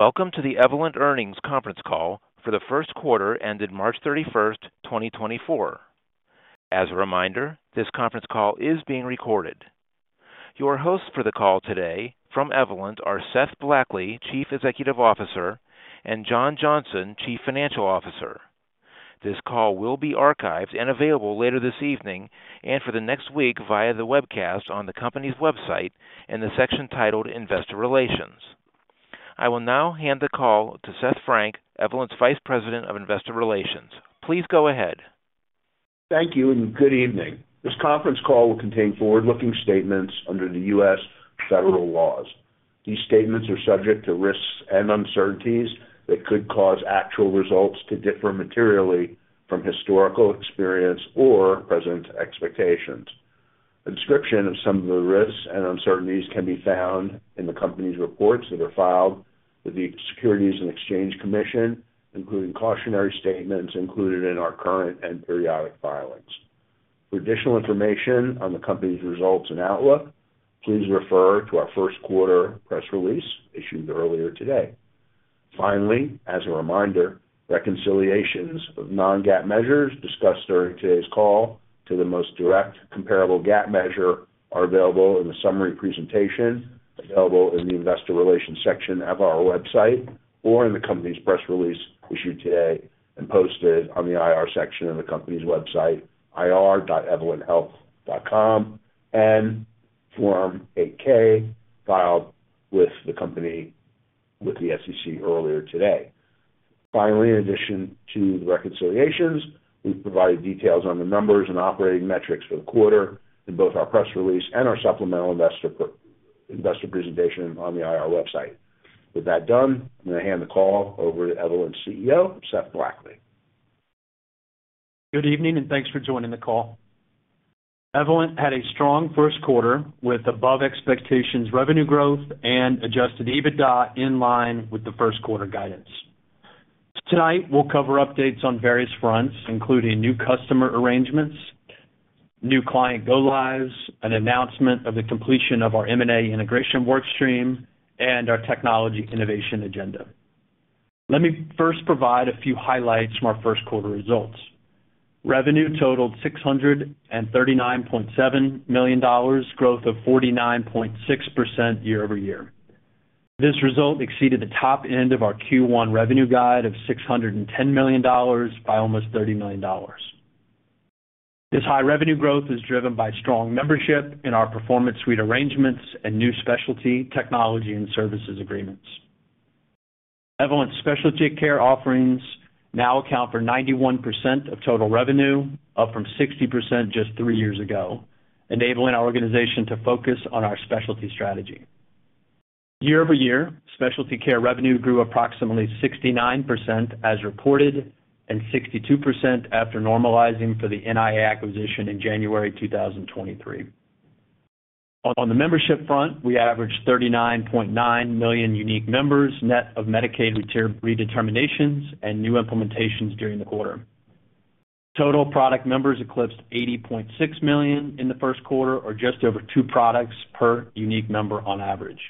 Welcome to the Evolent Earnings Conference Call for the first quarter ended March 31st, 2024. As a reminder, this conference call is being recorded. Your hosts for the call today from Evolent are Seth Blackley, Chief Executive Officer, and John Johnson, Chief Financial Officer. This call will be archived and available later this evening and for the next week via the webcast on the company's website in the section titled Investor Relations. I will now hand the call to Seth Frank, Evolent's Vice President of Investor Relations. Please go ahead. Thank you and good evening. This conference call will contain forward-looking statements under the U.S. federal laws. These statements are subject to risks and uncertainties that could cause actual results to differ materially from historical experience or present expectations. A description of some of the risks and uncertainties can be found in the company's reports that are filed with the Securities and Exchange Commission, including cautionary statements included in our current and periodic filings. For additional information on the company's results and outlook, please refer to our first quarter press release issued earlier today. Finally, as a reminder, reconciliations of non-GAAP measures discussed during today's call to the most direct comparable GAAP measure are available in the summary presentation available in the Investor Relations section of our website or in the company's press release issued today and posted on the IR section of the company's website, ir.evolenthealth.com, and Form 8-K filed with the SEC earlier today. Finally, in addition to the reconciliations, we've provided details on the numbers and operating metrics for the quarter in both our press release and our supplemental investor presentation on the IR website. With that done, I'm going to hand the call over to Evolent's CEO, Seth Blackley. Good evening and thanks for joining the call. Evolent had a strong first quarter with above-expectations revenue growth and adjusted EBITDA in line with the first quarter guidance. Tonight we'll cover updates on various fronts, including new customer arrangements, new client go-lives, an announcement of the completion of our M&A integration workstream, and our technology innovation agenda. Let me first provide a few highlights from our first quarter results. Revenue totaled $639.7 million, growth of 49.6% year-over-year. This result exceeded the top end of our Q1 revenue guide of $610 million by almost $30 million. This high revenue growth is driven by strong membership in our Performance Suite arrangements and new specialty technology and services agreements. Evolent's specialty care offerings now account for 91% of total revenue, up from 60% just three years ago, enabling our organization to focus on our specialty strategy. Year over year, specialty care revenue grew approximately 69% as reported and 62% after normalizing for the NIA acquisition in January 2023. On the membership front, we averaged 39.9 million unique members net of Medicaid redeterminations and new implementations during the quarter. Total product members eclipsed 80.6 million in the first quarter, or just over two products per unique member on average.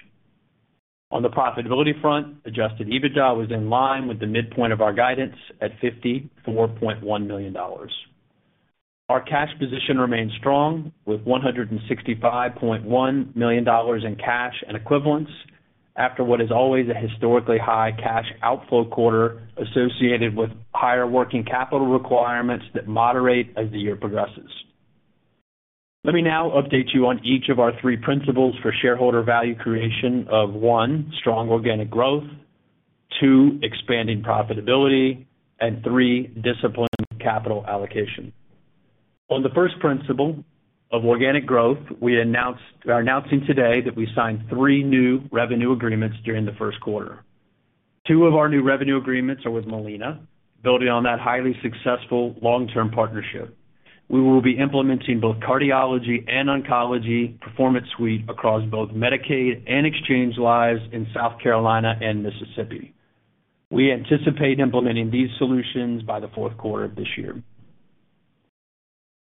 On the profitability front, adjusted EBITDA was in line with the midpoint of our guidance at $54.1 million. Our cash position remained strong with $165.1 million in cash and equivalents after what is always a historically high cash outflow quarter associated with higher working capital requirements that moderate as the year progresses. Let me now update you on each of our three principles for shareholder value creation of: one, strong organic growth, two, expanding profitability, and three, disciplined capital allocation. On the first principle of organic growth, we are announcing today that we signed three new revenue agreements during the first quarter. Two of our new revenue agreements are with Molina, building on that highly successful long-term partnership. We will be implementing both cardiology and oncology Performance Suite across both Medicaid and exchange lives in South Carolina and Mississippi. We anticipate implementing these solutions by the fourth quarter of this year.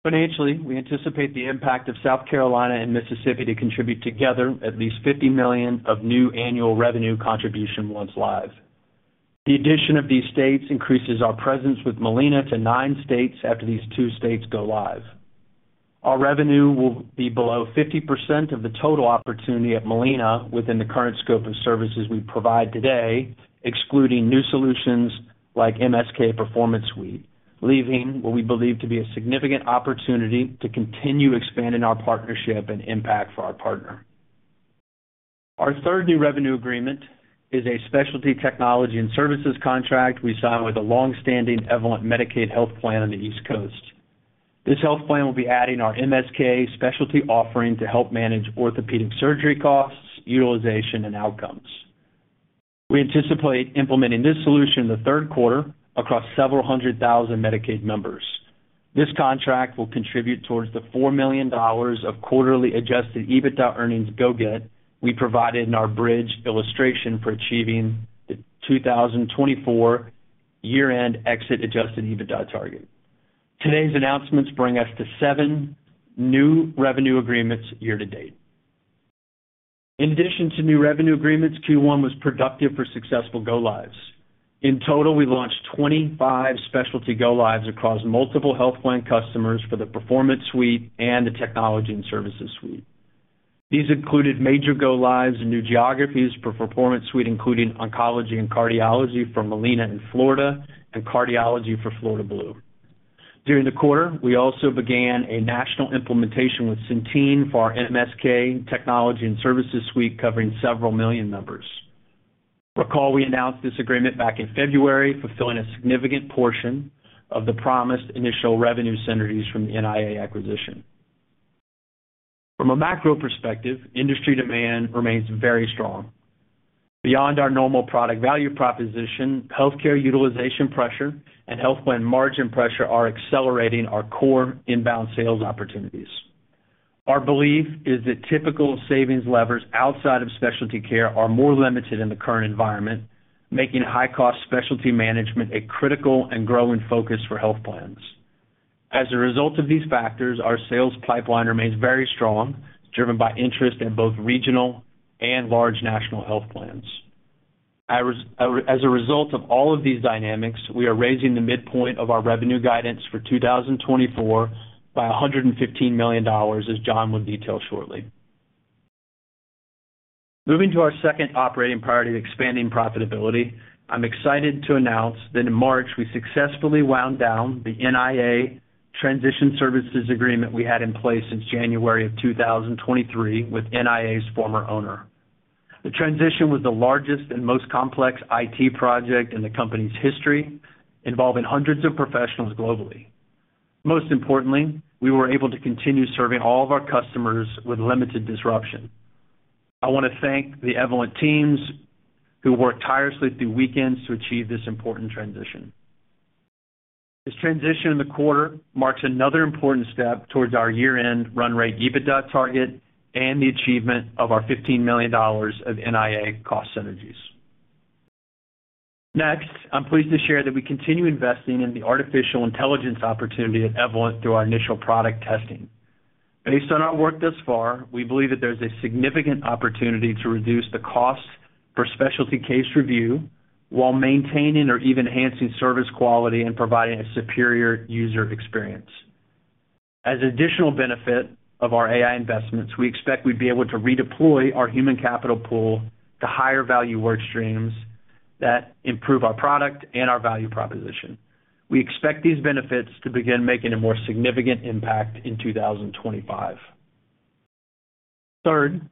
Financially, we anticipate the impact of South Carolina and Mississippi to contribute together at least $50 million of new annual revenue contribution once live. The addition of these states increases our presence with Molina to nine states after these two states go live. Our revenue will be below 50% of the total opportunity at Molina within the current scope of services we provide today, excluding new solutions like MSK Performance Suite, leaving what we believe to be a significant opportunity to continue expanding our partnership and impact for our partner. Our third new revenue agreement is a specialty technology and services contract we signed with a longstanding Evolent Medicaid Health Plan on the East Coast. This health plan will be adding our MSK specialty offering to help manage orthopedic surgery costs, utilization, and outcomes. We anticipate implementing this solution in the third quarter across several hundred thousand Medicaid members. This contract will contribute towards the $4 million of quarterly adjusted EBITDA earnings growth we provided in our bridge illustration for achieving the 2024 year-end exit adjusted EBITDA target. Today's announcements bring us to seven new revenue agreements year to date. In addition to new revenue agreements, Q1 was productive for successful go-lives. In total, we launched 25 specialty go-lives across multiple health plan customers for the Performance Suite and the Technology and Services Suite. These included major go-lives in new geographies for Performance Suite, including oncology and cardiology for Molina in Florida and cardiology for Florida Blue. During the quarter, we also began a national implementation with Centene for our MSK Technology and Services Suite covering several million members. Recall we announced this agreement back in February, fulfilling a significant portion of the promised initial revenue synergies from the NIA acquisition. From a macro perspective, industry demand remains very strong. Beyond our normal product value proposition, healthcare utilization pressure and health plan margin pressure are accelerating our core inbound sales opportunities. Our belief is that typical savings levers outside of specialty care are more limited in the current environment, making high-cost specialty management a critical and growing focus for health plans. As a result of these factors, our sales pipeline remains very strong, driven by interest in both regional and large national health plans. As a result of all of these dynamics, we are raising the midpoint of our revenue guidance for 2024 by $115 million, as John will detail shortly. Moving to our second operating priority, expanding profitability, I'm excited to announce that in March we successfully wound down the NIA transition services agreement we had in place since January of 2023 with NIA's former owner. The transition was the largest and most complex IT project in the company's history, involving hundreds of professionals globally. Most importantly, we were able to continue serving all of our customers with limited disruption. I want to thank the Evolent teams who worked tirelessly through weekends to achieve this important transition. This transition in the quarter marks another important step towards our year-end run rate EBITDA target and the achievement of our $15 million of NIA cost synergies. Next, I'm pleased to share that we continue investing in the artificial intelligence opportunity at Evolent through our initial product testing. Based on our work thus far, we believe that there's a significant opportunity to reduce the cost for specialty case review while maintaining or even enhancing service quality and providing a superior user experience. As an additional benefit of our AI investments, we expect we'd be able to redeploy our human capital pool to higher value workstreams that improve our product and our value proposition. We expect these benefits to begin making a more significant impact in 2025. Third,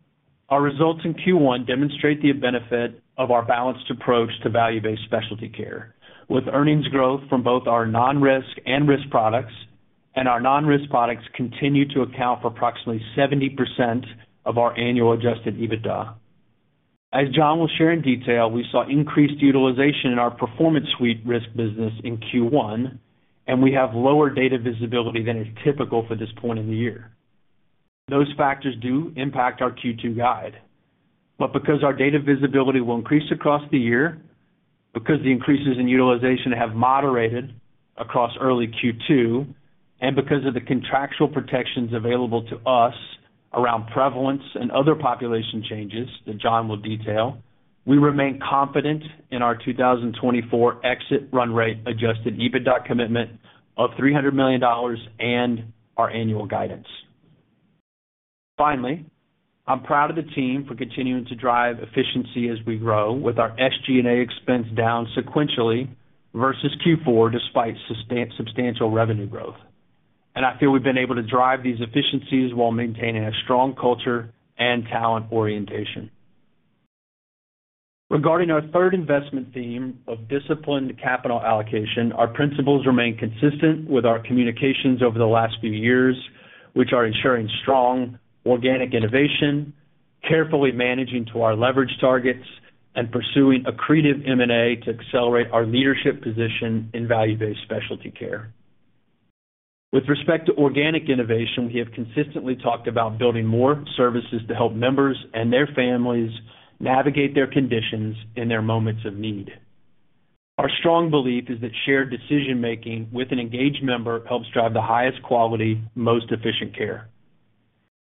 our results in Q1 demonstrate the benefit of our balanced approach to value-based specialty care. With earnings growth from both our non-risk and risk products, and our non-risk products continue to account for approximately 70% of our annual adjusted EBITDA. As John will share in detail, we saw increased utilization in our Performance Suite risk business in Q1, and we have lower data visibility than is typical for this point in the year. Those factors do impact our Q2 guide. But because our data visibility will increase across the year, because the increases in utilization have moderated across early Q2, and because of the contractual protections available to us around prevalence and other population changes that John will detail, we remain confident in our 2024 exit run rate adjusted EBITDA commitment of $300 million and our annual guidance. Finally, I'm proud of the team for continuing to drive efficiency as we grow, with our SG&A expense down sequentially versus Q4 despite substantial revenue growth. I feel we've been able to drive these efficiencies while maintaining a strong culture and talent orientation. Regarding our third investment theme of disciplined capital allocation, our principles remain consistent with our communications over the last few years, which are ensuring strong organic innovation, carefully managing to our leverage targets, and pursuing accretive M&A to accelerate our leadership position in value-based specialty care. With respect to organic innovation, we have consistently talked about building more services to help members and their families navigate their conditions in their moments of need. Our strong belief is that shared decision-making with an engaged member helps drive the highest quality, most efficient care.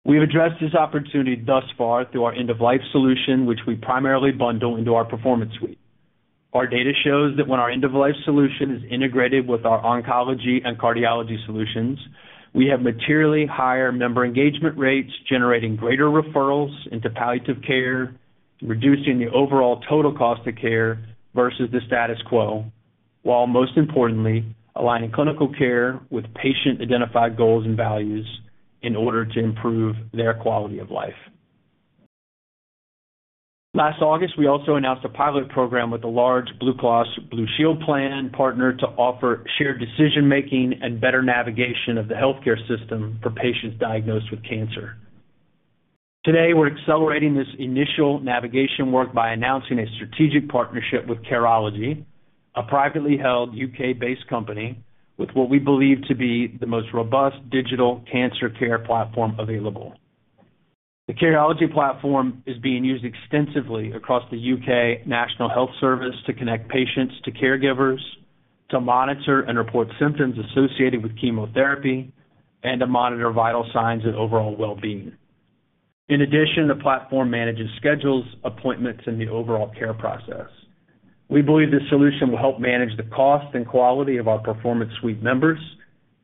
We've addressed this opportunity thus far through our end-of-life solution, which we primarily bundle into our Performance Suite. Our data shows that when our end-of-life solution is integrated with our oncology and cardiology solutions, we have materially higher member engagement rates, generating greater referrals into palliative care, reducing the overall total cost of care versus the status quo, while most importantly, aligning clinical care with patient-identified goals and values in order to improve their quality of life. Last August, we also announced a pilot program with the large Blue Cross Blue Shield Plan partner to offer shared decision-making and better navigation of the healthcare system for patients diagnosed with cancer. Today, we're accelerating this initial navigation work by announcing a strategic partnership with Careology, a privately held U.K.-based company with what we believe to be the most robust digital cancer care platform available. The Careology platform is being used extensively across the UK National Health Service to connect patients to caregivers, to monitor and report symptoms associated with chemotherapy, and to monitor vital signs and overall well-being. In addition, the platform manages schedules, appointments, and the overall care process. We believe this solution will help manage the cost and quality of our Performance Suite members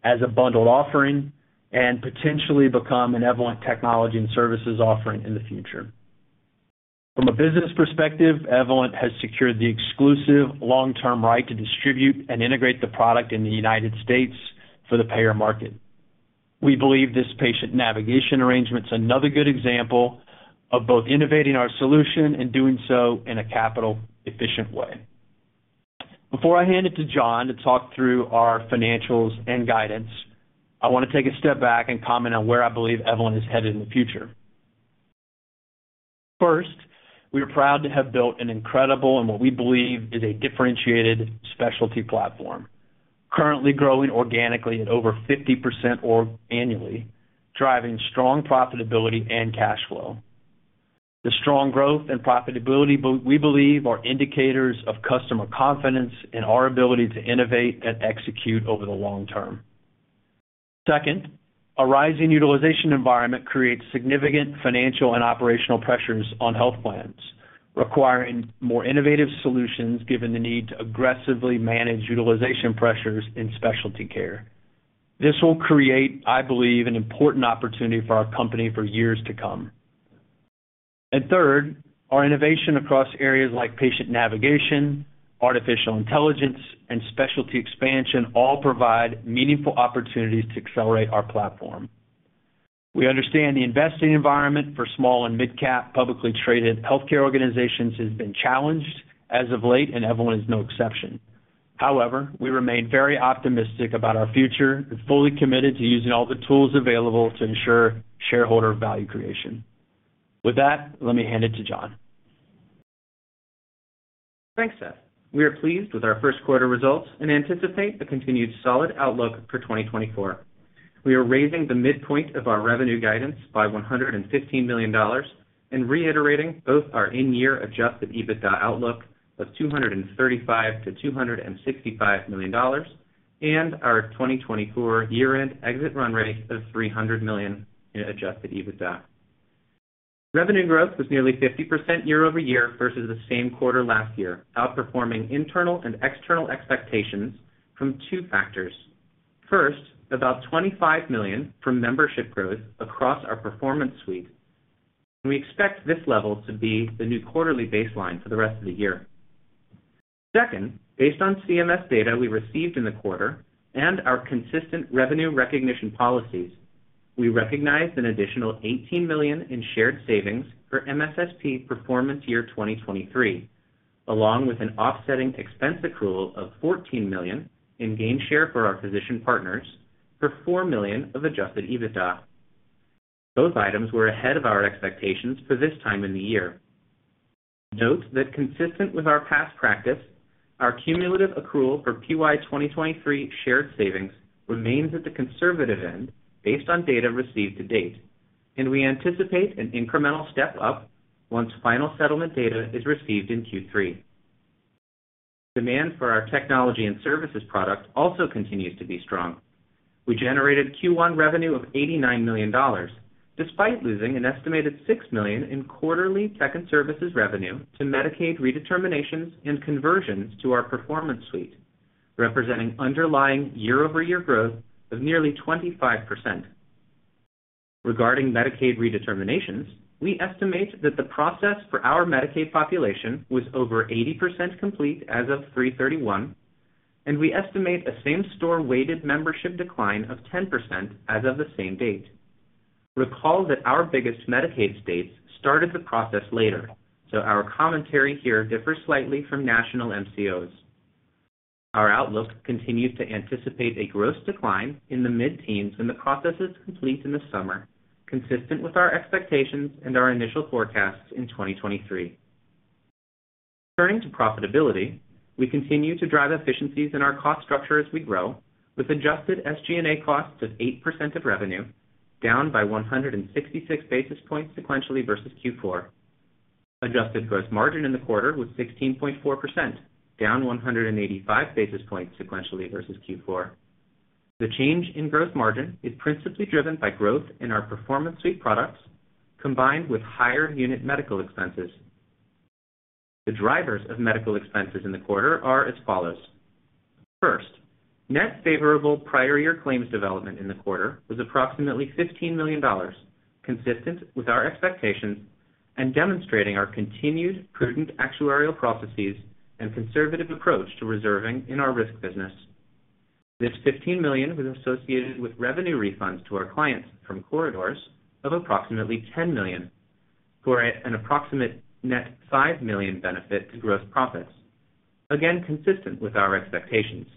as a bundled offering and potentially become an Evolent technology and services offering in the future. From a business perspective, Evolent has secured the exclusive long-term right to distribute and integrate the product in the United States for the payer market. We believe this patient navigation arrangement is another good example of both innovating our solution and doing so in a capital-efficient way. Before I hand it to John to talk through our financials and guidance, I want to take a step back and comment on where I believe Evolent is headed in the future. First, we are proud to have built an incredible and what we believe is a differentiated specialty platform, currently growing organically at over 50% annually, driving strong profitability and cash flow. The strong growth and profitability, we believe, are indicators of customer confidence in our ability to innovate and execute over the long term. Second, a rising utilization environment creates significant financial and operational pressures on health plans, requiring more innovative solutions given the need to aggressively manage utilization pressures in specialty care. This will create, I believe, an important opportunity for our company for years to come. And third, our innovation across areas like patient navigation, artificial intelligence, and specialty expansion all provide meaningful opportunities to accelerate our platform. We understand the investing environment for small and mid-cap publicly traded healthcare organizations has been challenged as of late, and Evolent is no exception. However, we remain very optimistic about our future and fully committed to using all the tools available to ensure shareholder value creation. With that, let me hand it to John. Thanks, Seth. We are pleased with our first quarter results and anticipate a continued solid outlook for 2024. We are raising the midpoint of our revenue guidance by $115 million and reiterating both our in-year adjusted EBITDA outlook of $235 million-$265 million and our 2024 year-end exit run rate of $300 million in adjusted EBITDA. Revenue growth was nearly 50% year-over-year versus the same quarter last year, outperforming internal and external expectations from two factors. First, about $25 million from membership growth across our Performance Suite, and we expect this level to be the new quarterly baseline for the rest of the year. Second, based on CMS data we received in the quarter and our consistent revenue recognition policies, we recognized an additional $18 million in shared savings for MSSP performance year 2023, along with an offsetting expense accrual of $14 million in gain share for our physician partners for $4 million of adjusted EBITDA. Both items were ahead of our expectations for this time in the year. Note that consistent with our past practice, our cumulative accrual for PY 2023 shared savings remains at the conservative end based on data received to date, and we anticipate an incremental step up once final settlement data is received in Q3. Demand for our technology and services product also continues to be strong. We generated Q1 revenue of $89 million despite losing an estimated $6 million in quarterly second services revenue to Medicaid redeterminations and conversions to our Performance Suite, representing underlying year-over-year growth of nearly 25%. Regarding Medicaid redeterminations, we estimate that the process for our Medicaid population was over 80% complete as of 03/31, and we estimate a same-store weighted membership decline of 10% as of the same date. Recall that our biggest Medicaid states started the process later, so our commentary here differs slightly from national MCOs. Our outlook continues to anticipate a gross decline in the mid-teens when the process is complete in the summer, consistent with our expectations and our initial forecasts in 2023. Turning to profitability, we continue to drive efficiencies in our cost structure as we grow, with adjusted SG&A costs of 8% of revenue, down by 166 basis points sequentially versus Q4. Adjusted gross margin in the quarter was 16.4%, down 185 basis points sequentially versus Q4. The change in gross margin is principally driven by growth in our Performance Suite products combined with higher unit medical expenses. The drivers of medical expenses in the quarter are as follows. First, net favorable prior year claims development in the quarter was approximately $15 million, consistent with our expectations and demonstrating our continued prudent actuarial processes and conservative approach to reserving in our risk business. This $15 million was associated with revenue refunds to our clients from corridors of approximately $10 million for an approximate net $5 million benefit to gross profits, again consistent with our expectations.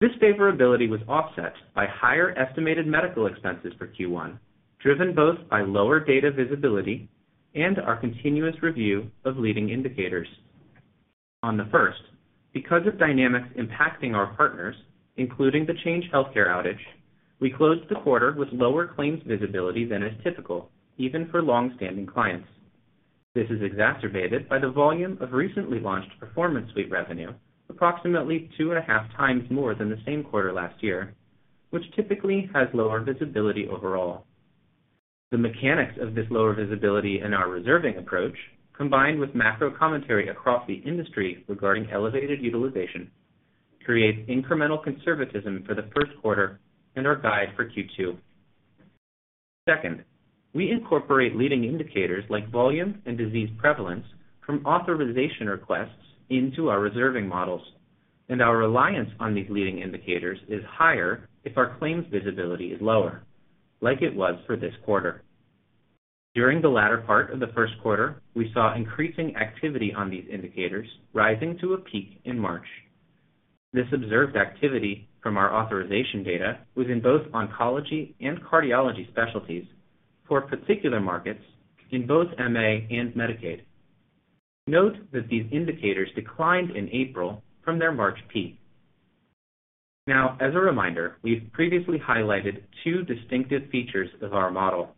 This favorability was offset by higher estimated medical expenses for Q1, driven both by lower data visibility and our continuous review of leading indicators. On the first, because of dynamics impacting our partners, including the Change Healthcare outage, we closed the quarter with lower claims visibility than is typical, even for longstanding clients. This is exacerbated by the volume of recently launched Performance Suite revenue, approximately 2.5x more than the same quarter last year, which typically has lower visibility overall. The mechanics of this lower visibility in our reserving approach, combined with macro commentary across the industry regarding elevated utilization, create incremental conservatism for the first quarter and our guide for Q2. Second, we incorporate leading indicators like volume and disease prevalence from authorization requests into our reserving models, and our reliance on these leading indicators is higher if our claims visibility is lower, like it was for this quarter. During the latter part of the first quarter, we saw increasing activity on these indicators rising to a peak in March. This observed activity from our authorization data was in both oncology and cardiology specialties for particular markets in both MA and Medicaid. Note that these indicators declined in April from their March peak. Now, as a reminder, we've previously highlighted two distinctive features of our model.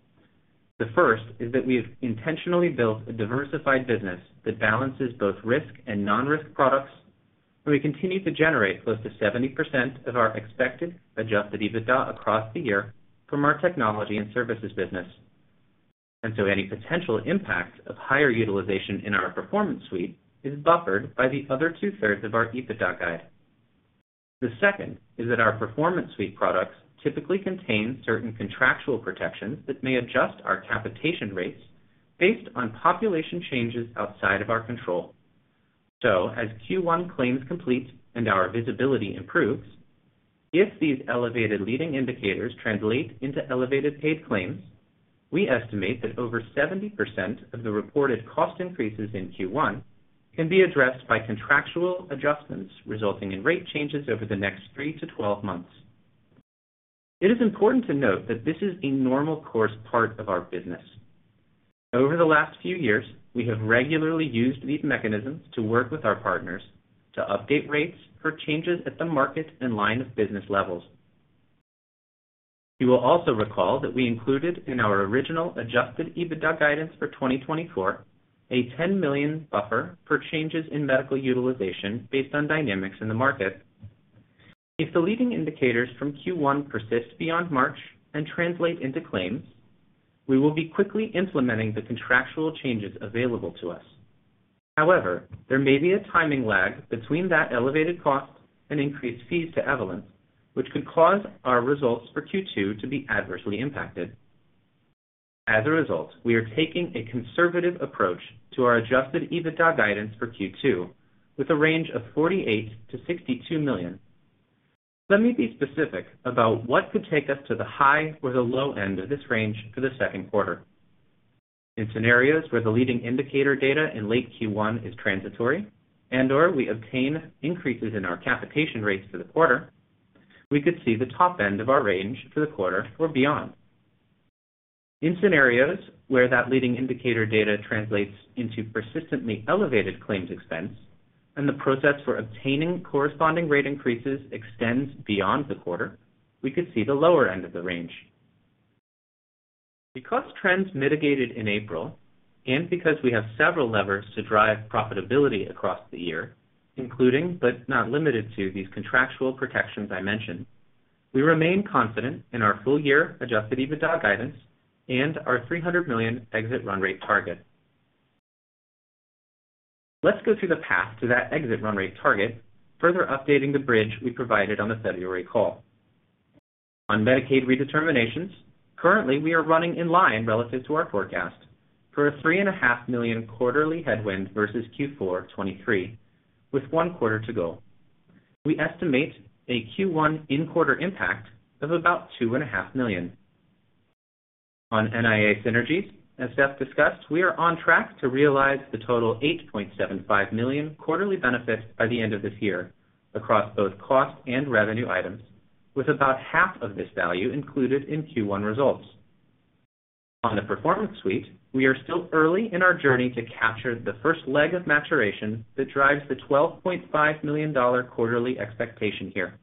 The first is that we have intentionally built a diversified business that balances both risk and non-risk products, and we continue to generate close to 70% of our expected adjusted EBITDA across the year from our technology and services business. And so any potential impact of higher utilization in our Performance Suite is buffered by the other 2/3 of our EBITDA guide. The second is that our Performance Suite products typically contain certain contractual protections that may adjust our capitation rates based on population changes outside of our control. So as Q1 claims complete and our visibility improves, if these elevated leading indicators translate into elevated paid claims, we estimate that over 70% of the reported cost increases in Q1 can be addressed by contractual adjustments resulting in rate changes over the next three to 12 months. It is important to note that this is a normal course part of our business. Over the last few years, we have regularly used these mechanisms to work with our partners to update rates for changes at the market and line of business levels. You will also recall that we included in our original adjusted EBITDA guidance for 2024 a $10 million buffer for changes in medical utilization based on dynamics in the market. If the leading indicators from Q1 persist beyond March and translate into claims, we will be quickly implementing the contractual changes available to us. However, there may be a timing lag between that elevated cost and increased fees to Evolent, which could cause our results for Q2 to be adversely impacted. As a result, we are taking a conservative approach to our adjusted EBITDA guidance for Q2 with a range of $48 million to $62 million. Let me be specific about what could take us to the high or the low end of this range for the second quarter. In scenarios where the leading indicator data in late Q1 is transitory and/or we obtain increases in our capitation rates for the quarter, we could see the top end of our range for the quarter or beyond. In scenarios where that leading indicator data translates into persistently elevated claims expense and the process for obtaining corresponding rate increases extends beyond the quarter, we could see the lower end of the range. Because trends mitigated in April and because we have several levers to drive profitability across the year, including but not limited to these contractual protections I mentioned, we remain confident in our full-year adjusted EBITDA guidance and our $300 million exit run rate target. Let's go through the path to that exit run rate target, further updating the bridge we provided on the February call. On Medicaid redeterminations, currently we are running in line relative to our forecast for a $3.5 million quarterly headwind versus Q4 2023, with one quarter to go. We estimate a Q1 in-quarter impact of about $2.5 million. On NIA synergies, as Seth discussed, we are on track to realize the total $8.75 million quarterly benefit by the end of this year across both cost and revenue items, with about half of this value included in Q1 results. On the Performance Suite, we are still early in our journey to capture the first leg of maturation that drives the $12.5 million quarterly expectation here.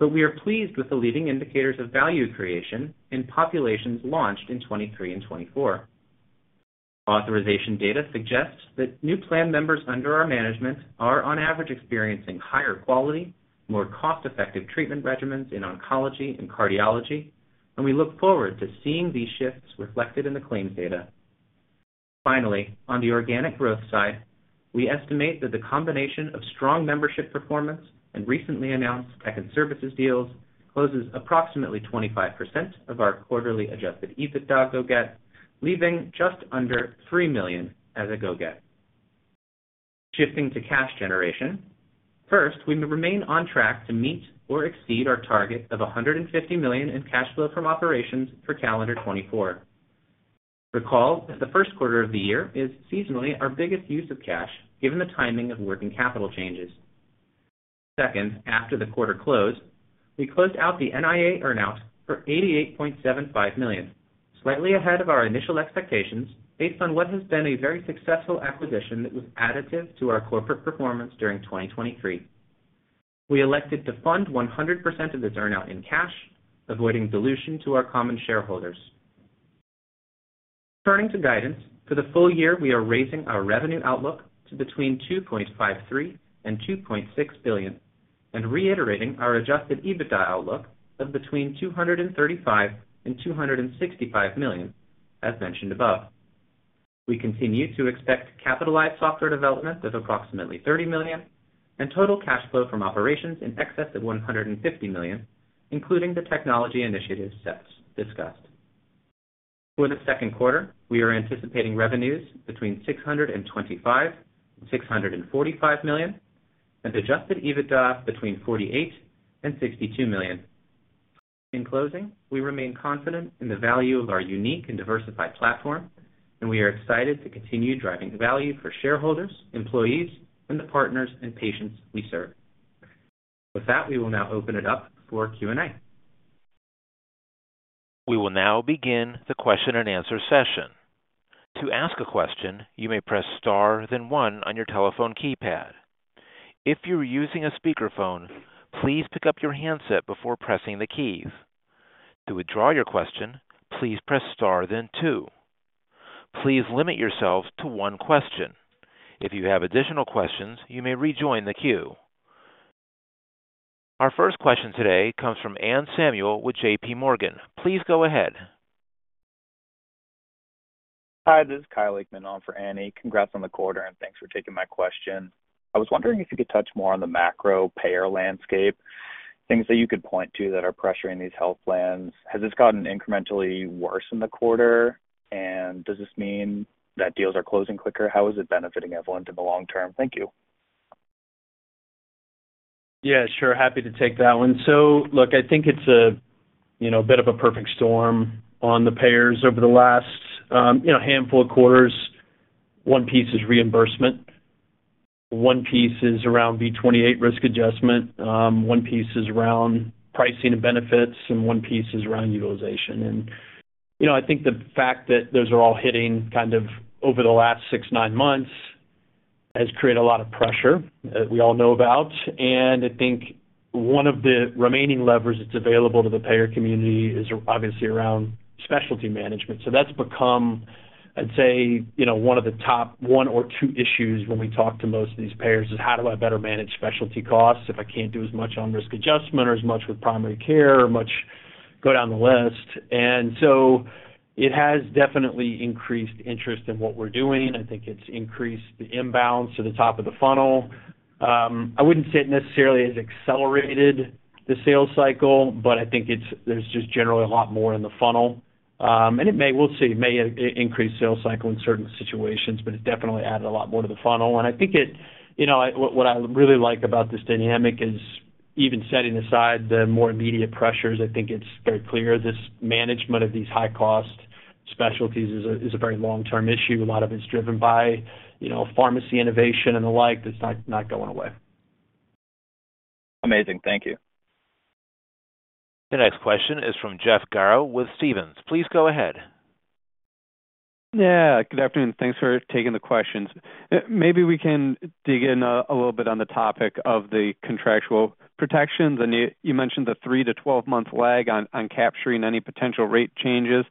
But we are pleased with the leading indicators of value creation in populations launched in 2023 and 2024. Authorization data suggests that new plan members under our management are, on average, experiencing higher quality, more cost-effective treatment regimens in oncology and cardiology, and we look forward to seeing these shifts reflected in the claims data. Finally, on the organic growth side, we estimate that the combination of strong membership performance and recently announced Tech and Services deals closes approximately 25% of our quarterly adjusted EBITDA go-get, leaving just under $3 million as a go-get. Shifting to cash generation, first, we remain on track to meet or exceed our target of $150 million in cash flow from operations for calendar 2024. Recall that the first quarter of the year is seasonally our biggest use of cash given the timing of working capital changes. Second, after the quarter close, we closed out the NIA earnout for $88.75 million, slightly ahead of our initial expectations based on what has been a very successful acquisition that was additive to our corporate performance during 2023. We elected to fund 100% of this earnout in cash, avoiding dilution to our common shareholders. Turning to guidance, for the full year we are raising our revenue outlook to between $2.53 and $2.6 billion and reiterating our adjusted EBITDA outlook of between $235 and $265 million, as mentioned above. We continue to expect capitalized software development of approximately $30 million and total cash flow from operations in excess of $150 million, including the technology initiatives Seth discussed. For the second quarter, we are anticipating revenues between $625-$645 million and adjusted EBITDA between $48 and $62 million. In closing, we remain confident in the value of our unique and diversified platform, and we are excited to continue driving value for shareholders, employees, and the partners and patients we serve. With that, we will now open it up for Q&A. We will now begin the question and answer session. To ask a question, you may press star then one on your telephone keypad. If you're using a speakerphone, please pick up your handset before pressing the keys. To withdraw your question, please press star then two. Please limit yourselves to one question. If you have additional questions, you may rejoin the queue. Our first question today comes from Anne Samuel with JPMorgan. Please go ahead. Hi, this is Kyle Aikman for Anne. Congrats on the quarter, and thanks for taking my question. I was wondering if you could touch more on the macro payer landscape, things that you could point to that are pressuring these health plans. Has this gotten incrementally worse in the quarter, and does this mean that deals are closing quicker? How is it benefiting Evolent in the long term? Thank you. Yeah, sure. Happy to take that one. So look, I think it's a bit of a perfect storm on the payers over the last handful of quarters. One piece is reimbursement. One piece is around V28 risk adjustment. One piece is around pricing and benefits, and one piece is around utilization. And I think the fact that those are all hitting kind of over the last six, nine months has created a lot of pressure that we all know about. I think one of the remaining levers that's available to the payer community is obviously around specialty management. So that's become, I'd say, one of the top one or two issues when we talk to most of these payers is, "How do I better manage specialty costs if I can't do as much on risk adjustment or as much with primary care or much go down the list?" And so it has definitely increased interest in what we're doing. I think it's increased the imbalance to the top of the funnel. I wouldn't say it necessarily has accelerated the sales cycle, but I think there's just generally a lot more in the funnel. And we'll see. It may increase sales cycle in certain situations, but it's definitely added a lot more to the funnel. And I think what I really like about this dynamic is even setting aside the more immediate pressures, I think it's very clear this management of these high-cost specialties is a very long-term issue. A lot of it's driven by pharmacy innovation and the like. That's not going away. Amazing. Thank you. The next question is from Jeff Garro with Stephens. Please go ahead. Yeah. Good afternoon. Thanks for taking the questions. Maybe we can dig in a little bit on the topic of the contractual protections. And you mentioned the three to 12-month lag on capturing any potential rate changes.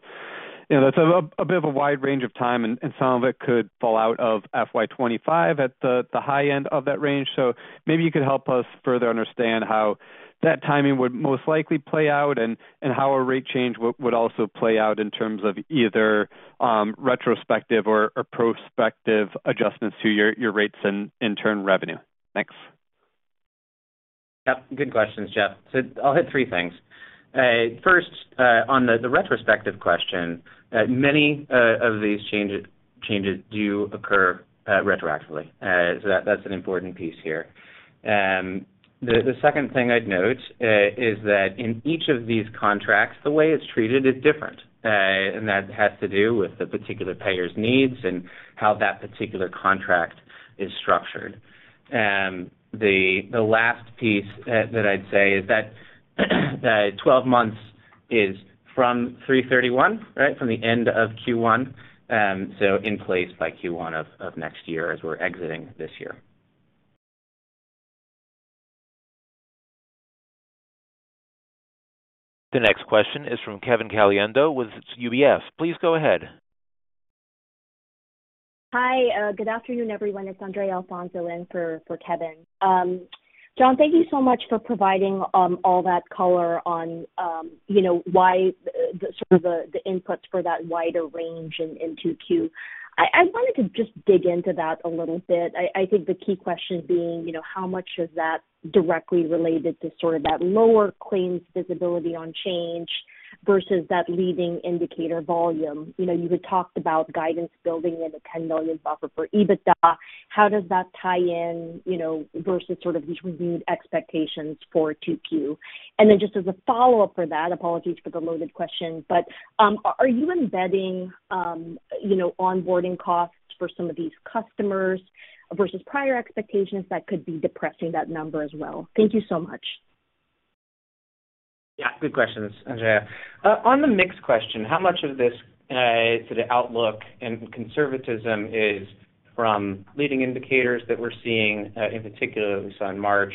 That's a bit of a wide range of time, and some of it could fall out of FY 2025 at the high end of that range. So maybe you could help us further understand how that timing would most likely play out and how a rate change would also play out in terms of either retrospective or prospective adjustments to your rates and, in turn, revenue. Thanks. Yep. Good questions, Jeff. So I'll hit three things. First, on the retrospective question, many of these changes do occur retroactively. So that's an important piece here. The second thing I'd note, is that in each of these contracts, the way it's treated is different, and that has to do with the particular payer's needs and how that particular contract is structured. The last piece that I'd say is that 12 months is from 03/31, right, from the end of Q1, so in place by Q1 of next year as we're exiting this year. The next question is from Kevin Caliendo with UBS. Please go ahead. Hi. Good afternoon, everyone. It's Andrea Alfonso in for Kevin. John, thank you so much for providing all that color on sort of the inputs for that wider range in 2Qs. I wanted to just dig into that a little bit. I think the key question being, how much is that directly related to sort of that lower claims visibility on Change versus that leading indicator volume? You had talked about guidance building in the $10 million buffer for EBITDA. How does that tie in versus sort of these renewed expectations for 2Qs? And then just as a follow-up for that, apologies for the loaded question, but are you embedding onboarding costs for some of these customers versus prior expectations that could be depressing that number as well? Thank you so much. Yeah. Good questions, Andrea. On the mixed question, how much of this sort of outlook and conservatism is from leading indicators that we're seeing, in particular, we saw in March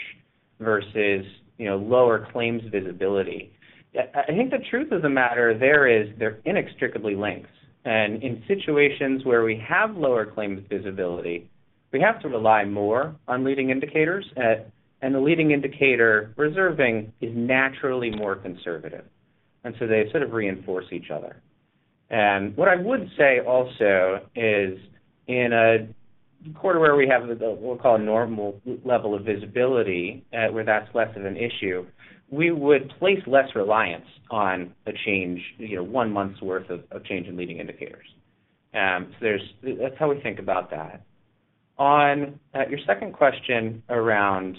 versus lower claims visibility? I think the truth of the matter there is they're inextricably linked. In situations where we have lower claims visibility, we have to rely more on leading indicators, and the leading indicator reserving is naturally more conservative. So they sort of reinforce each other. What I would say also is in a quarter where we have what we'll call a normal level of visibility where that's less of an issue, we would place less reliance on a change, one month's worth of change in leading indicators. That's how we think about that. On your second question around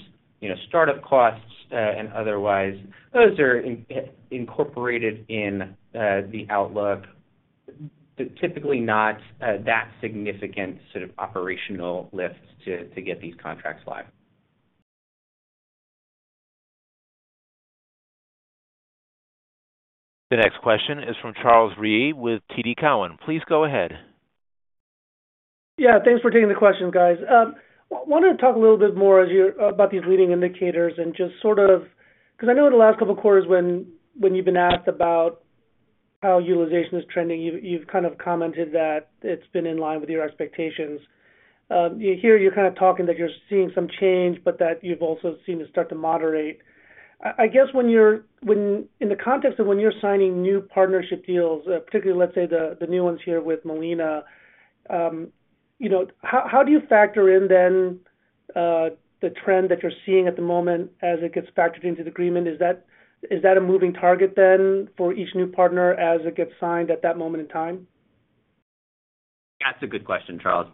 startup costs and otherwise, those are incorporated in the outlook, typically not that significant sort of operational lifts to get these contracts live. The next question is from Charles Rhyee with TD Cowen. Please go ahead. Yeah. Thanks for taking the questions, guys. Wanted to talk a little bit more about these leading indicators and just sort of because I know in the last couple of quarters, when you've been asked about how utilization is trending, you've kind of commented that it's been in line with your expectations. Here, you're kind of talking that you're seeing some change, but that you've also seen it start to moderate. I guess in the context of when you're signing new partnership deals, particularly, let's say, the new ones here with Molina, how do you factor in then the trend that you're seeing at the moment as it gets factored into the agreement? Is that a moving target then for each new partner as it gets signed at that moment in time? That's a good question, Charles.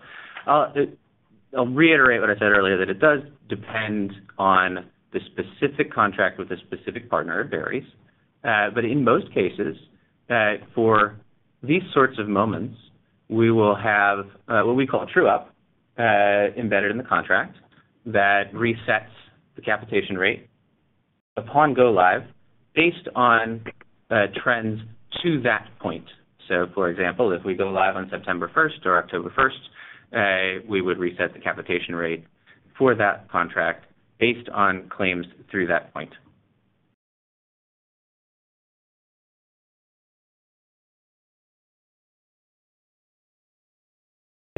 I'll reiterate what I said earlier, that it does depend on the specific contract with the specific partner. It varies. But in most cases, for these sorts of moments, we will have what we call true-up embedded in the contract that resets the capitation rate upon go live based on trends to that point. So for example, if we go live on September 1st or October 1st, we would reset the capitation rate for that contract based on claims through that point.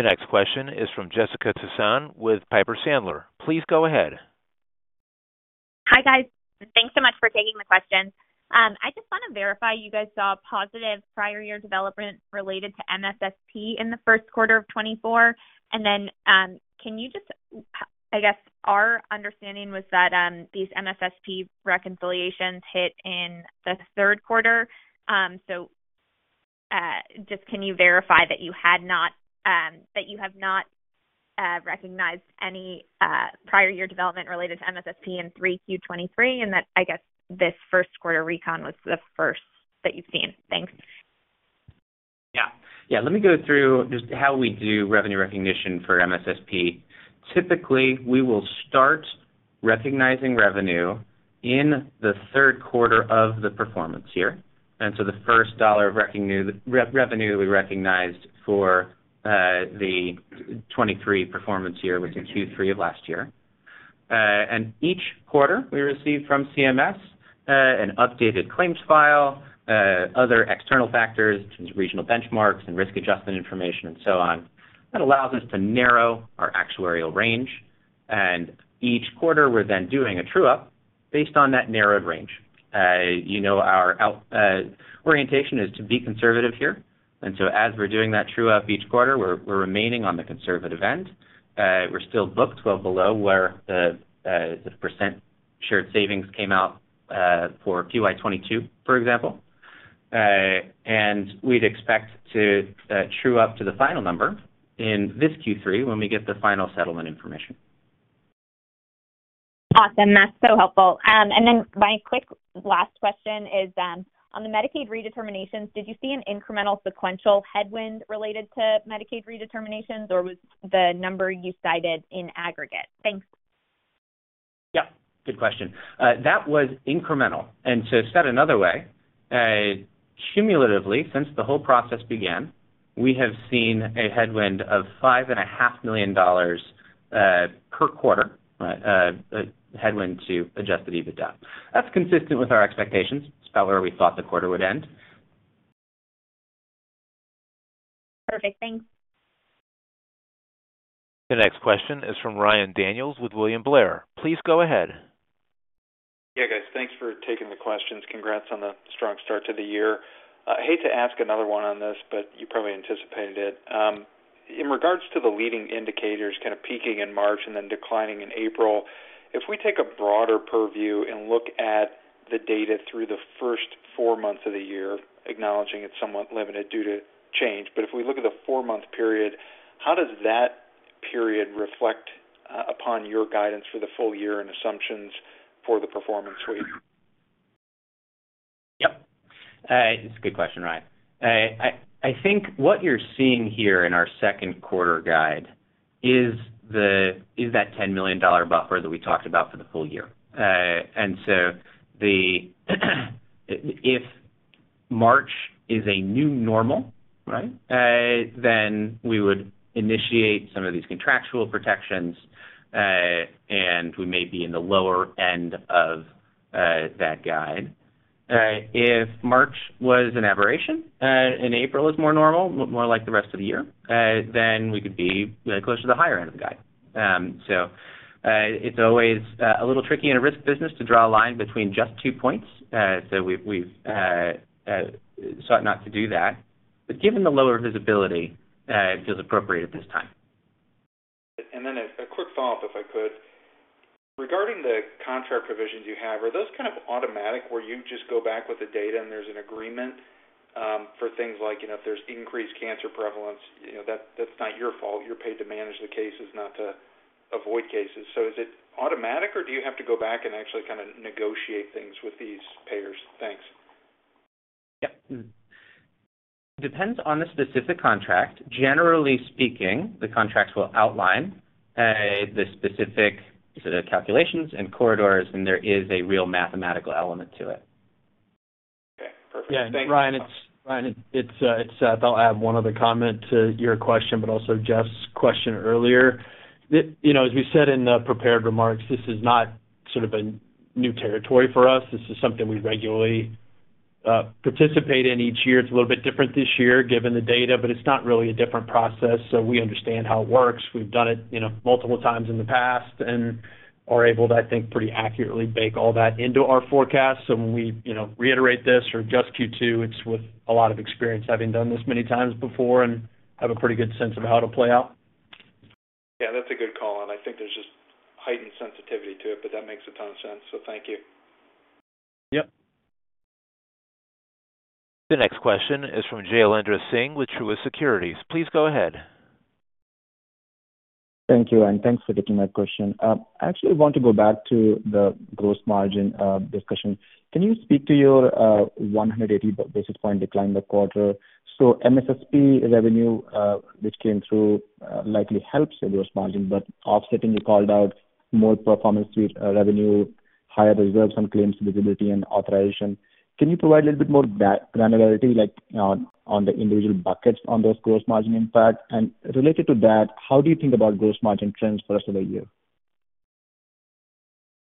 The next question is from Jessica Tassan with Piper Sandler. Please go ahead. Hi, guys. Thanks so much for taking the questions. I just want to verify you guys saw positive prior-year development related to MSSP in the first quarter of 2024. And then can you just I guess our understanding was that these MSSP reconciliations hit in the third quarter. So just can you verify that you had not that you have not recognized any prior-year development related to MSSP in Q3 2023 and that, I guess, this first quarter recon was the first that you've seen? Thanks. Yeah. Yeah. Let me go through just how we do revenue recognition for MSSP. Typically, we will start recognizing revenue in the third quarter of the performance year. And so the first dollar of revenue that we recognized for the 2023 performance year was in Q3 of last year. And each quarter, we receive from CMS an updated claims file, other external factors in terms of regional benchmarks and risk adjustment information, and so on. That allows us to narrow our actuarial range. And each quarter, we're then doing a true-up based on that narrowed range. Our orientation is to be conservative here. And so as we're doing that true-up each quarter, we're remaining on the conservative end. We're still booked well below where the percent shared savings came out for QY22, for example. And we'd expect to true-up to the final number in this Q3 when we get the final settlement information. Awesome. That's so helpful. And then my quick last question is, on the Medicaid redeterminations, did you see an incremental sequential headwind related to Medicaid redeterminations, or was the number you cited in aggregate? Thanks. Yep. Good question. That was incremental. And to set another way, cumulatively, since the whole process began, we have seen a headwind of $5.5 million per quarter, headwind to adjusted EBITDA. That's consistent with our expectations. That's about where we thought the quarter would end. Perfect. Thanks. The next question is from Ryan Daniels with William Blair. Please go ahead. Yeah, guys. Thanks for taking the questions. Congrats on the strong start to the year. Hate to ask another one on this, but you probably anticipated it. In regards to the leading indicators kind of peaking in March and then declining in April, if we take a broader purview and look at the data through the first four months of the year, acknowledging it's somewhat limited due to change. But if we look at the four-month period, how does that period reflect upon your guidance for the full year and assumptions for the Performance Suite? Yep. This is a good question, Ryan. I think what you're seeing here in our second quarter guide is that $10 million buffer that we talked about for the full year. And so if March is a new normal, right, then we would initiate some of these contractual protections, and we may be in the lower end of that guide. If March was an aberration and April is more normal, more like the rest of the year, then we could be closer to the higher end of the guide. So it's always a little tricky in a risk business to draw a line between just two points. So we've sought not to do that. But given the lower visibility, it feels appropriate at this time. And then a quick follow-up, if I could. Regarding the contract provisions you have, are those kind of automatic where you just go back with the data, and there's an agreement for things like if there's increased cancer prevalence? That's not your fault. You're paid to manage the cases, not to avoid cases. So is it automatic, or do you have to go back and actually kind of negotiate things with these payers? Thanks. Yep. Depends on the specific contract. Generally speaking, the contracts will outline the specific sort of calculations and corridors, and there is a real mathematical element to it. Okay. Perfect. Thanks. Yeah. Ryan, I'll add one other comment to your question but also Jeff's question earlier. As we said in the prepared remarks, this is not sort of a new territory for us. This is something we regularly participate in each year. It's a little bit different this year given the data, but it's not really a different process. So we understand how it works. We've done it multiple times in the past and are able to, I think, pretty accurately bake all that into our forecast. So when we reiterate this or adjust Q2, it's with a lot of experience having done this many times before and have a pretty good sense of how it'll play out. Yeah. That's a good call. And I think there's just heightened sensitivity to it, but that makes a ton of sense. So thank you. Yep. The next question is from Jailendra Singh with Truist Securities. Please go ahead. Thank you, Ryan. Thanks for taking my question. I actually want to go back to the gross margin discussion. Can you speak to your 180 basis point decline that quarter? So MSSP revenue, which came through, likely helps the gross margin, but offsetting you called out more Performance Suite revenue, higher reserves on claims visibility and authorization. Can you provide a little bit more granularity on the individual buckets on those gross margin impact? And related to that, how do you think about gross margin trends for the rest of the year?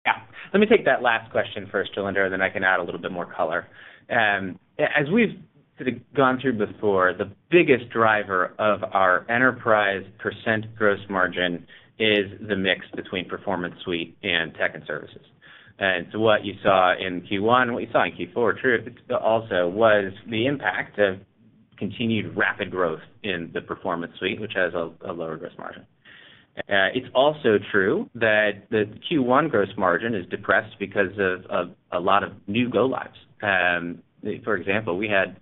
Yeah. Let me take that last question first, Jailendra, and then I can add a little bit more color. As we've sort of gone through before, the biggest driver of our enterprise percent gross margin is the mix between Performance Suite and Tech and Services. And so what you saw in Q1 and what you saw in Q4 also was the impact of continued rapid growth in the Performance Suite, which has a lower gross margin. It's also true that the Q1 gross margin is depressed because of a lot of new go lives. For example, we had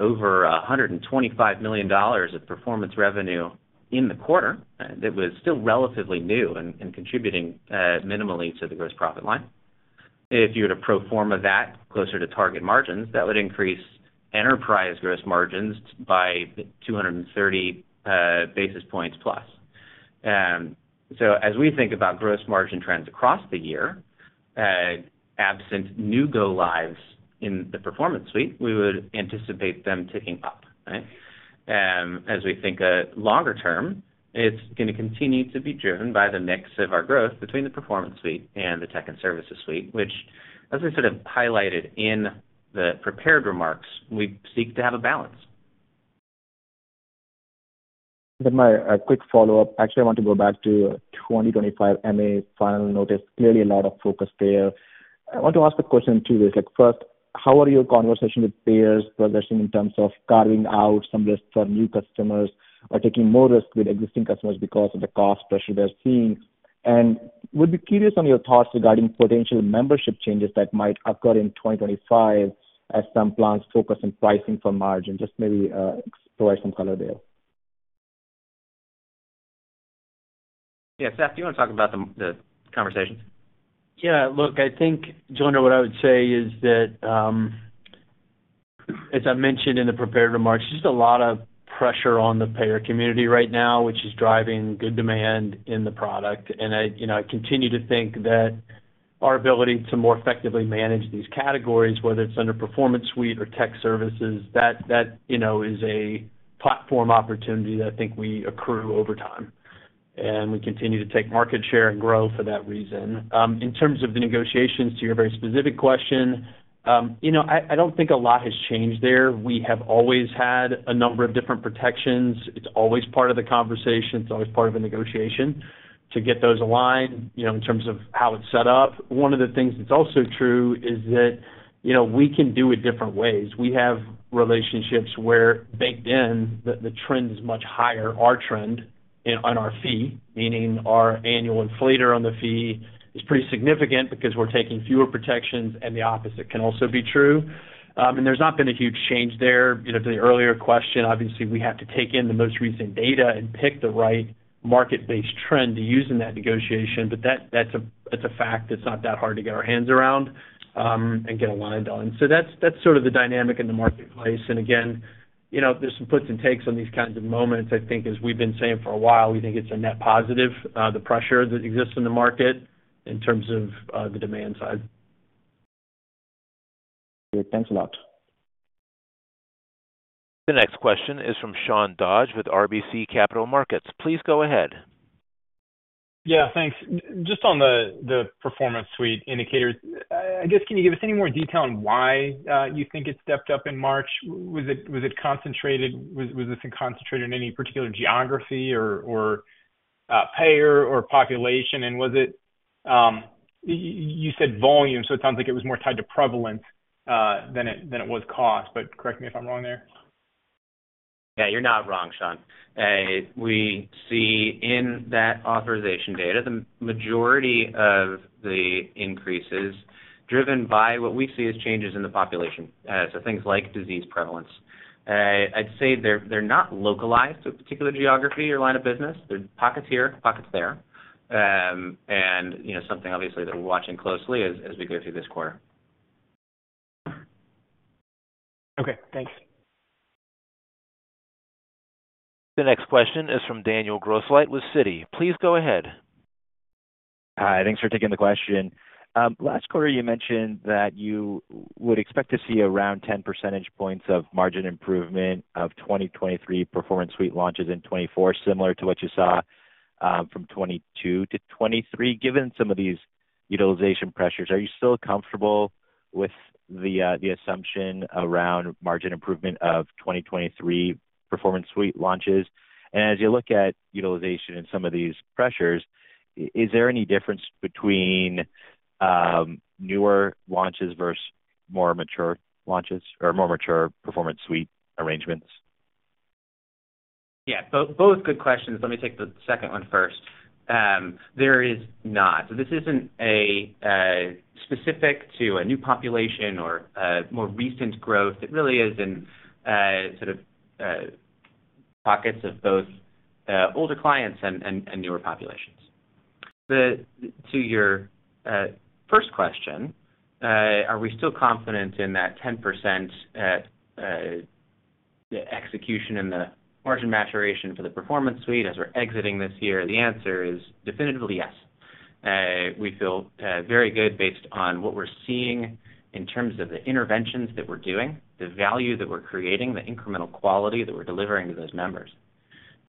over $125 million of performance revenue in the quarter that was still relatively new and contributing minimally to the gross profit line. If you had a pro forma that closer to target margins, that would increase enterprise gross margins by 230 basis points plus. So as we think about gross margin trends across the year, absent new go lives in the Performance Suite, we would anticipate them ticking up, right? As we think longer term, it's going to continue to be driven by the mix of our growth between the Performance Suite and the Tech and Services Suite, which, as I sort of highlighted in the prepared remarks, we seek to have a balance. Then my quick follow-up. Actually, I want to go back to 2025 MA final notice. Clearly, a lot of focus there. I want to ask a question in two ways. First, how are your conversations with payers progressing in terms of carving out some risks for new customers or taking more risks with existing customers because of the cost pressure they're seeing? And would be curious on your thoughts regarding potential membership changes that might occur in 2025 as some plans focus on pricing for margin. Just maybe provide some color there. Yeah. Seth, do you want to talk about the conversations? Yeah. Look, I think, John, what I would say is that, as I mentioned in the prepared remarks, there's just a lot of pressure on the payer community right now, which is driving good demand in the product. I continue to think that our ability to more effectively manage these categories, whether it's under Performance Suite or tech services, that is a platform opportunity that I think we accrue over time. We continue to take market share and grow for that reason. In terms of the negotiations to your very specific question, I don't think a lot has changed there. We have always had a number of different protections. It's always part of the conversation. It's always part of a negotiation to get those aligned in terms of how it's set up. One of the things that's also true is that we can do it different ways. We have relationships where baked in, the trend is much higher, our trend, on our fee, meaning our annual inflator on the fee is pretty significant because we're taking fewer protections. The opposite can also be true. There's not been a huge change there. To the earlier question, obviously, we have to take in the most recent data and pick the right market-based trend to use in that negotiation. But that's a fact that's not that hard to get our hands around and get aligned on. So that's sort of the dynamic in the marketplace. And again, there's some puts and takes on these kinds of moments. I think, as we've been saying for a while, we think it's a net positive, the pressure that exists in the market in terms of the demand side. Great. Thanks a lot. The next question is from Sean Dodge with RBC Capital Markets. Please go ahead. Yeah. Thanks. Just on the performance suite indicators, I guess, can you give us any more detail on why you think it stepped up in March? Was it concentrated? Was this concentrated in any particular geography or payer or population? And was it you said volume. So it sounds like it was more tied to prevalence than it was cost. But correct me if I'm wrong there. Yeah. You're not wrong, Sean. We see in that authorization data, the majority of the increases driven by what we see as changes in the population, so things like disease prevalence. I'd say they're not localized to a particular geography or line of business. They're pockets here, pockets there. And something, obviously, that we're watching closely as we go through this quarter. Okay. Thanks. The next question is from Daniel Grosslight with Citi. Please go ahead. Hi. Thanks for taking the question. Last quarter, you mentioned that you would expect to see around 10 percentage points of margin improvement of 2023 Performance Suite launches in 2024, similar to what you saw from 2022 to 2023. Given some of these utilization pressures, are you still comfortable with the assumption around margin improvement of 2023 Performance Suite launches? And as you look at utilization and some of these pressures, is there any difference between newer launches versus more mature launches or more mature Performance Suite arrangements? Yeah. Both good questions. Let me take the second one first. There is not. So this isn't specific to a new population or more recent growth. It really is in sort of pockets of both older clients and newer populations. To your first question, are we still confident in that 10% execution and the margin maturation for the Performance Suite as we're exiting this year? The answer is definitively yes. We feel very good based on what we're seeing in terms of the interventions that we're doing, the value that we're creating, the incremental quality that we're delivering to those members.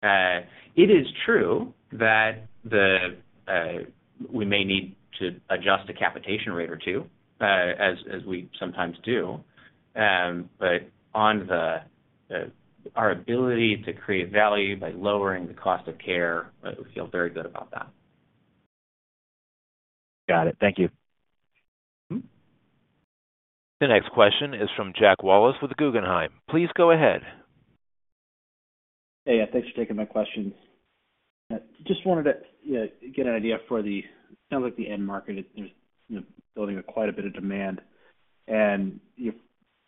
It is true that we may need to adjust a capitation rate or two as we sometimes do. But on our ability to create value by lowering the cost of care, we feel very good about that. Got it. Thank you. The next question is from Jack Wallace with Guggenheim. Please go ahead. Hey. Yeah. Thanks for taking my questions. Just wanted to get an idea for the it sounds like the end market, there's building quite a bit of demand.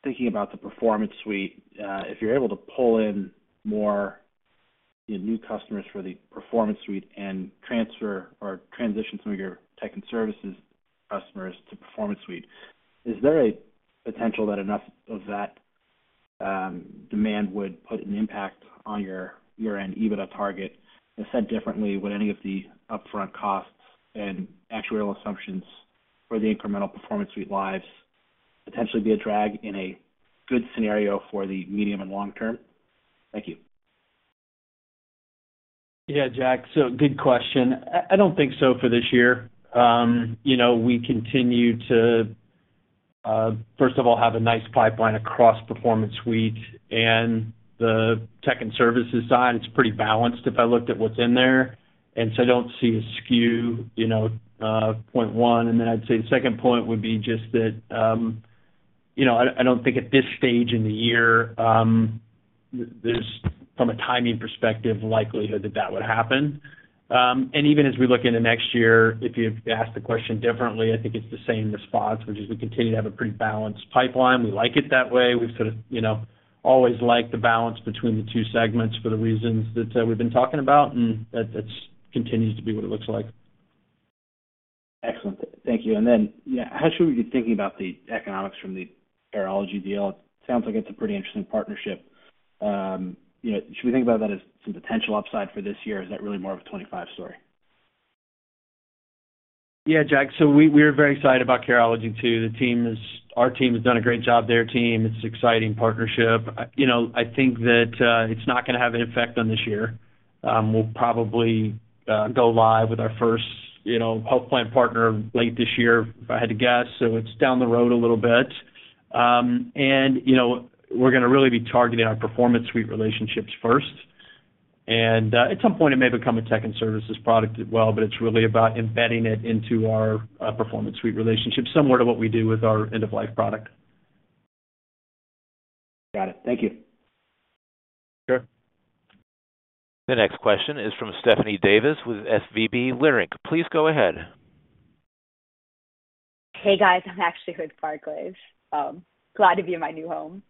Thinking about the Performance Suite, if you're able to pull in more new customers for the Performance Suite and transfer or transition some of your Tech and Services customers to Performance Suite, is there a potential that enough of that demand would put an impact on your year-end EBITDA target? If said differently, would any of the upfront costs and actuarial assumptions for the incremental Performance Suite lives potentially be a drag in a good scenario for the medium and long term? Thank you. Yeah, Jack. Good question. I don't think so for this year. We continue to, first of all, have a nice pipeline across Performance Suite and the Tech and Services side. It's pretty balanced if I looked at what's in there. And so I don't see a skew point one. And then I'd say the second point would be just that I don't think at this stage in the year, there's, from a timing perspective, likelihood that that would happen. And even as we look into next year, if you ask the question differently, I think it's the same response, which is we continue to have a pretty balanced pipeline. We like it that way. We've sort of always liked the balance between the two segments for the reasons that we've been talking about. And that continues to be what it looks like. Excellent. Thank you. And then how should we be thinking about the economics from the Careology deal? It sounds like it's a pretty interesting partnership. Should we think about that as some potential upside for this year? Is that really more of a 2025 story? Yeah, Jack. So we are very excited about Careology too. Our team has done a great job. Their team, it's an exciting partnership. I think that it's not going to have an effect on this year. We'll probably go live with our first health plan partner late this year, if I had to guess. So it's down the road a little bit. And we're going to really be targeting our Performance Suite relationships first. And at some point, it may become a Tech and Services product as well, but it's really about embedding it into our Performance Suite relationships similar to what we do with our end-of-life product. Got it. Thank you. Sure. The next question is from Stephanie Davis with SVB Leerink. Please go ahead. Hey, guys. I'm actually with Barclays. Glad to be in my new home.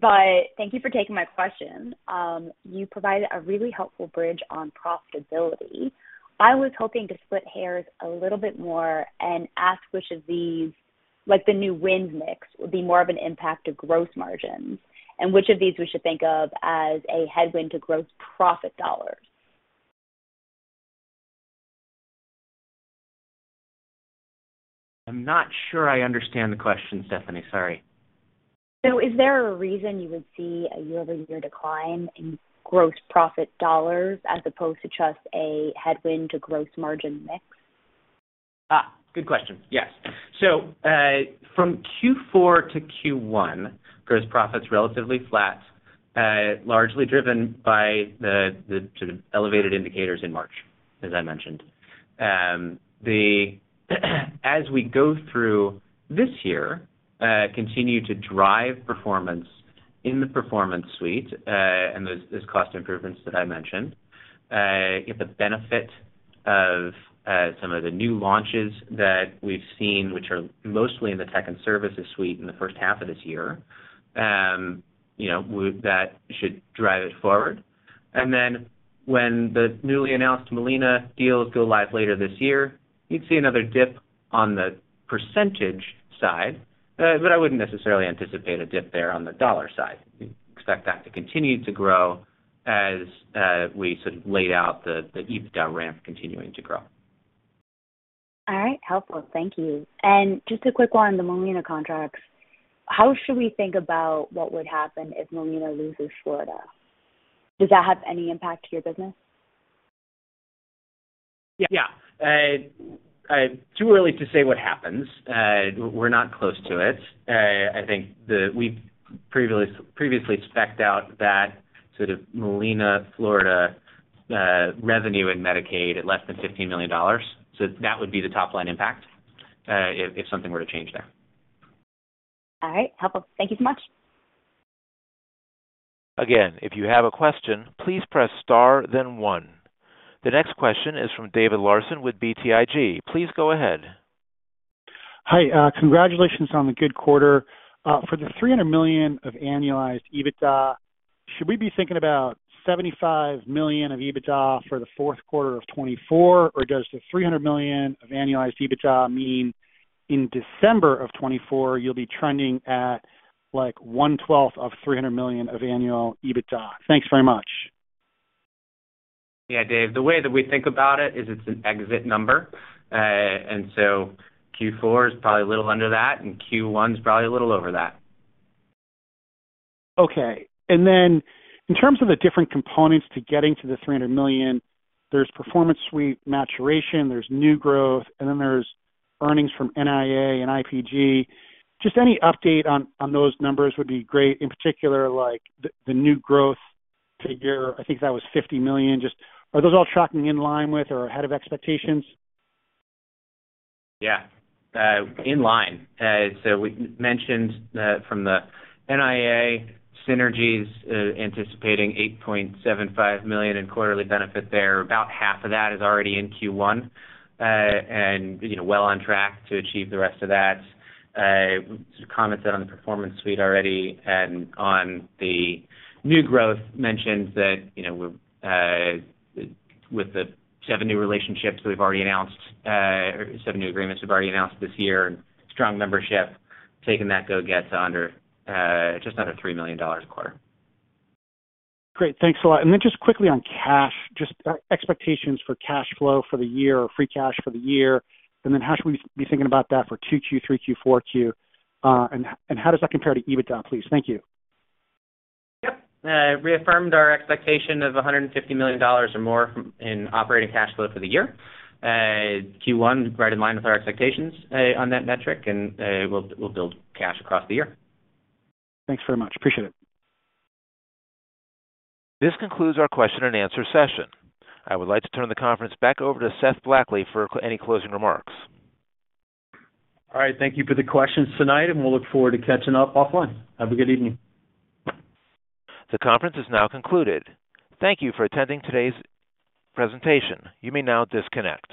But thank you for taking my question. You provided a really helpful bridge on profitability. I was hoping to split hairs a little bit more and ask which of these, like the new wins mix, would be more of an impact on gross margins and which of these we should think of as a headwind to gross profit dollars. I'm not sure I understand the question, Stephanie. Sorry. So is there a reason you would see a year-over-year decline in gross profit dollars as opposed to just a headwind to gross margin mix? Good question. Yes. So from Q4 to Q1, gross profit's relatively flat, largely driven by the sort of elevated indicators in March, as I mentioned. As we go through this year, continue to drive performance in the performance suite and those cost improvements that I mentioned, get the benefit of some of the new launches that we've seen, which are mostly in the Tech and Services Suite in the first half of this year, that should drive it forward. And then when the newly announced Molina deals go live later this year, you'd see another dip on the percentage side. But I wouldn't necessarily anticipate a dip there on the dollar side. Expect that to continue to grow as we sort of laid out the EBITDA ramp continuing to grow. All right. Helpful. Thank you. And just a quick one on the Molina contracts. How should we think about what would happen if Molina loses Florida? Yeah. Yeah. Too early to say what happens. We're not close to it. I think we previously spec'd out that sort of Molina, Florida revenue in Medicaid at less than $15 million. So that would be the top-line impact if something were to change there. All right. Helpful. Thank you so much. Again, if you have a question, please press star, then one. The next question is from David Larsen with BTIG. Please go ahead. Hi. Congratulations on the good quarter. For the $300 million of annualized EBITDA, should we be thinking about $75 million of EBITDA for the fourth quarter of 2024, or does the $300 million of annualized EBITDA mean in December of 2024, you'll be trending at 1/12 of $300 million of annual EBITDA? Thanks very much. Yeah, Dave. The way that we think about it is it's an exit number. So Q4 is probably a little under that, and Q1's probably a little over that. Okay. Then in terms of the different components to getting to the $300 million, there's Performance Suite maturation, there's new growth, and then there's earnings from NIA and IPG. Just any update on those numbers would be great, in particular, like the new growth figure. I think that was $50 million. Are those all tracking in line with or ahead of expectations? Yeah. In line. So we mentioned from the NIA, synergies anticipating $8.75 million in quarterly benefit there. About half of that is already in Q1 and well on track to achieve the rest of that. Some comments on the Performance Suite already and on the new growth mentioned that with the seven new relationships that we've already announced or seven new agreements we've already announced this year and strong membership, taking that growth to just under $3 million a quarter. Great. Thanks a lot. Then just quickly on cash, just expectations for cash flow for the year or free cash for the year. And then how should we be thinking about that for 2Q, 3Q, 4Q? And how does that compare to EBITDA, please? Thank you. Yep. Reaffirmed our expectation of $150 million or more in operating cash flow for the year. Q1 right in line with our expectations on that metric, and we'll build cash across the year. Thanks very much. Appreciate it. This concludes our question-and-answer session. I would like to turn the conference back over to Seth Blackley for any closing remarks. All right. Thank you for the questions tonight, and we'll look forward to catching up offline. Have a good evening. The conference is now concluded. Thank you for attending today's presentation. You may now disconnect.